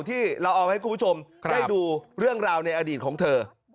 ที่เราเอาให้คุณผู้ชมได้ดูเรื่องราวในอดีตของเธอ